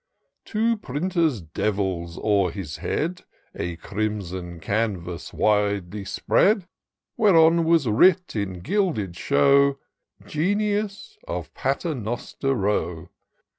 Two Printers' Devils o'er his head A crimson canvass widely spread. Whereon was writ in gilded show —* Genius of Paternoster Row.'